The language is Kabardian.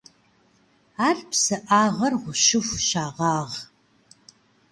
Ар псыӏагъэр гъущыху щагъагъ.